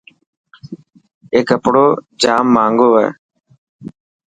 اي ڪپڙو جاهنگو هي.